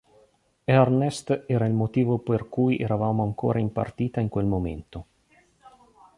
Earnest era il motivo per cui eravamo ancora in partita in quel momento.